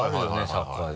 サッカーで。